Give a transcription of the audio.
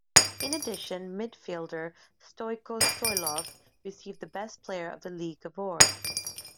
In addition, midfielder Stoycho Stoilov received the Best Player of the League award.